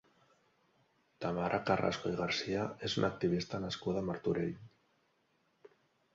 Tamara Carrasco i Garcia és una activista nascuda a Martorell.